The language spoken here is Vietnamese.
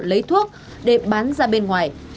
lấy thuốc để bán ra bên ngoài